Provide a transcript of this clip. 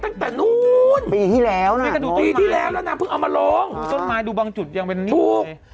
ตั้งแต่๑ปีที่แล้วน่ะ๑ปีที่แล้วเนี้ยเพิ่งเอามาลงส้นไม้ดูบางจุดยังเป็นถูก